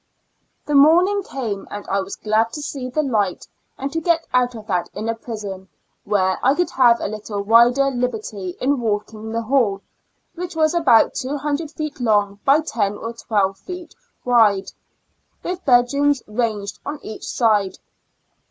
\/jJ^]ie mftrning came, and I was glad to see the ligm and to get out of that inner prison, where I could have a little wider liberty in walking the hall, which was about two hundred feet long by ten or twelve feet wide, with bed rooms ranged on each side.